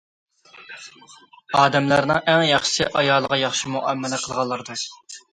ئادەملەرنىڭ ئەڭ ياخشىسى ئايالىغا ياخشى مۇئامىلە قىلغانلاردۇر.